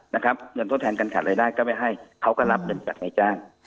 เงินทดแทนการขาดรายได้ก็ไม่ให้เขาก็รับเงินจากนายจ้าง